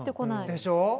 でしょう？